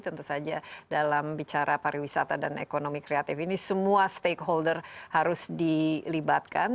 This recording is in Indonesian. tentu saja dalam bicara pariwisata dan ekonomi kreatif ini semua stakeholder harus dilibatkan